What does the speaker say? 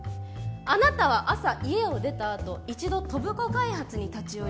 あなたは朝家を出たあと一度戸部子開発に立ち寄り